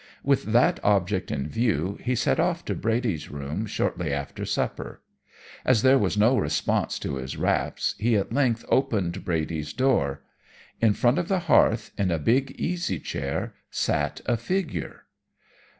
With that object in view he set off to Brady's room shortly after supper. As there was no response to his raps, he at length opened Brady's door. In front of the hearth in a big easy chair sat a figure.